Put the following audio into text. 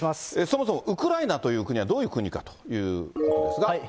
そもそもウクライナという国はどういう国かということですが。